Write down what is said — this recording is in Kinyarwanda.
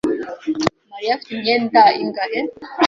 Mariya afite imyenda ingahe?